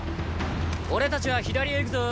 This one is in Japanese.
俺たちは左へ行くぞー。